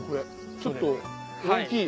ちょっと大きい。